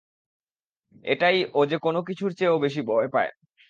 এটাই ও যে কোনও কিছুর চেয়ে বেশি ভয় পায়।